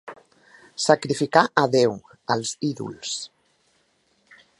Sacrificar a Déu, als ídols.